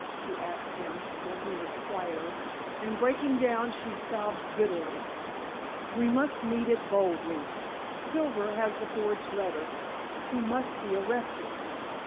she asked him when he was quieter, and breaking down, she sobbed bitterly. "We must meet it boldly. Silver has the forged letter: he must be arrested."